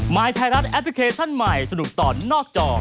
ยไทยรัฐแอปพลิเคชันใหม่สนุกต่อนอกจอ